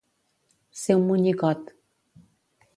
Ser un monyicot.